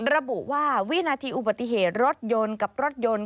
ระบุว่าวินาทีอุบัติเหตุรถยนต์กับรถยนต์